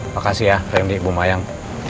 makasih ya randy bu mayang